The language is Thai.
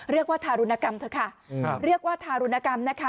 เรียกว่าถารุณกรรม